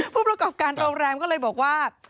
ผู้ประกอบการโรงแรมก็เลยบอกว่า